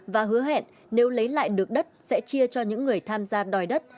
và hứa hẹn nếu lấy lại được đất sẽ chia cho những người tham gia đòi đất